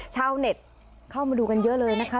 ชาวเน็ตเข้ามาดูกันเยอะเลยนะคะ